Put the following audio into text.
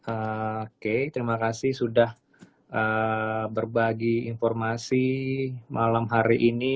oke terima kasih sudah berbagi informasi malam hari ini